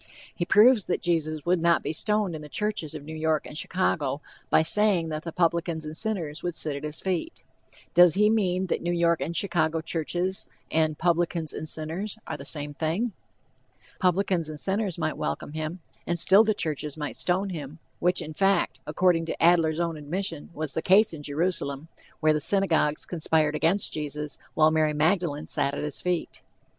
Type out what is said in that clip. He proves that Jesus would not be stoned in the churches of New York and Chicago by saying that the "publicans and sinners would sit at his feet." Does he mean that "New York and Chicago churches" and "publicans and sinners" are the same thing? "Publicans and sinners" might welcome him, and still the churches might stone him, which in fact, according to Adler's own admission, was the case in Jerusalem, where the synagogues conspired against Jesus, while Mary Magdalene sat at his feet.